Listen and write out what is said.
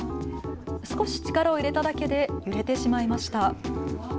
少し力を入れただけで揺れてしまいました。